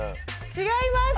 違います！